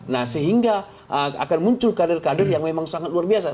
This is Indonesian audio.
nah sehingga akan muncul kader kader yang memang sangat luar biasa